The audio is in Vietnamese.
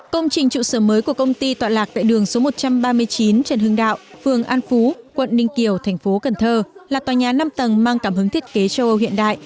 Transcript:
công trình trụ sở mới của công ty tọa lạc tại đường số một trăm ba mươi chín trần hưng đạo phường an phú quận ninh kiều thành phố cần thơ là tòa nhà năm tầng mang cảm hứng thiết kế châu âu hiện đại